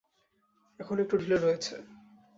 এখনো একটু ঢিলে রয়েছে।